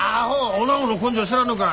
おなごの根性知らんのか。